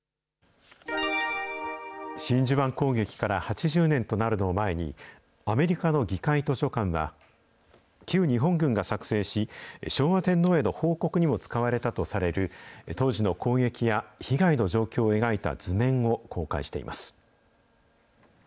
真珠湾攻撃から８０年となるのを前に、アメリカの議会図書館は、旧日本軍が作成し、昭和天皇への報告にも使われたとされる当時の攻撃や被害の状況を描いた図面を公開しています。